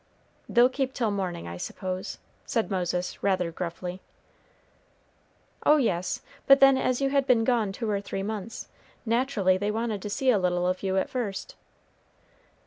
"They'll keep till morning, I suppose," said Moses, rather gruffly. "Oh yes; but then as you had been gone two or three months, naturally they wanted to see a little of you at first."